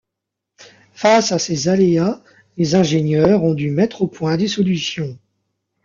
Face à ces aléas, les ingénieurs ont dû mettre au point des solutions.